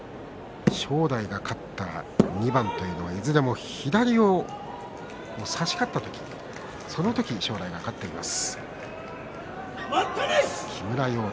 正代が勝った２番というのはいずれも左を差し勝った時その時に正代が勝っています。